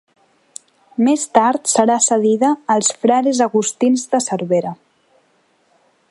Més tard serà cedida als frares agustins de Cervera.